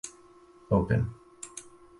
Open.